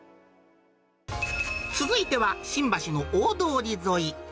続いては、新橋の大通り沿い。